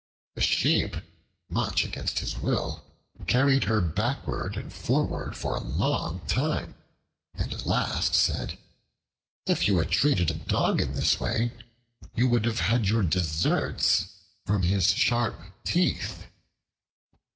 The Sheep, much against his will, carried her backward and forward for a long time, and at last said, "If you had treated a dog in this way, you would have had your deserts from his sharp teeth."